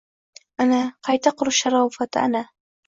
— Ana, qayta qurish sharofati, ana!»